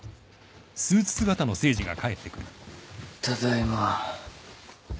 ただいま。